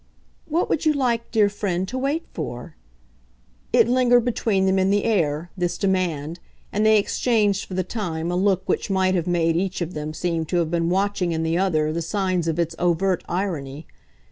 "What would you like, dear friend, to wait for?" It lingered between them in the air, this demand, and they exchanged for the time a look which might have made each of them seem to have been watching in the other the signs of its overt irony.